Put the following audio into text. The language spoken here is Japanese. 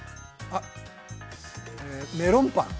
◆あっ、メロンパン。